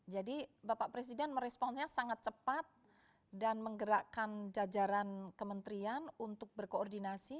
jadi bapak presiden meresponnya sangat cepat dan menggerakkan jajaran kementerian untuk berkoordinasi